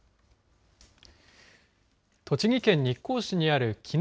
栃木県日光市にある鬼怒